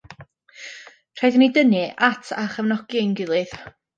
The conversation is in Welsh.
Rhaid i ni dynnu at a chefnogi ein gilydd.